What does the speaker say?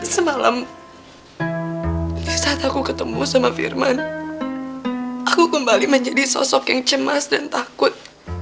semalam saat aku ketemu sama firman aku kembali menjadi sosok yang cemas dan takut